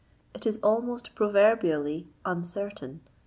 It is almost proverbiaHy uncertain.